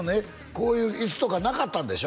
こういう椅子とかなかったんでしょ？